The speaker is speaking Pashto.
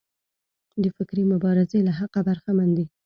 د فکري مبارزې له حقه برخمن دي.